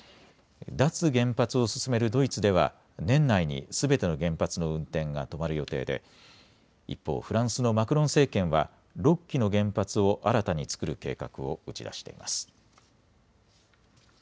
脱原発を進めるドイツでは年内にすべての原発の運転が止まる予定で一方、フランスのマクロン政権は６基の原発を新たにつくる計画を打ち出しています。